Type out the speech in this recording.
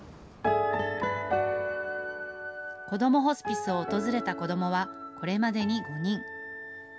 こどもホスピスを訪れた子どもはこれまでに５人。